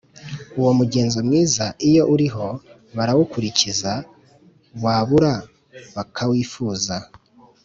Uwo mugenzo mwiza, iyo uriho barawukurikiza, wabura bakawifuza,